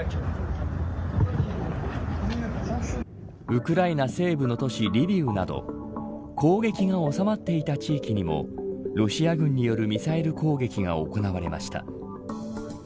ウクライナ西部の都市リビウなど攻撃が収まっていた地域にもロシア軍によるミサイル攻撃が行われました。